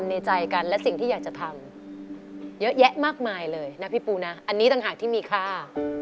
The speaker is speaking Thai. นี้ต่างหากที่มีค่า